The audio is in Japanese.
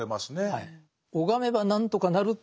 はい。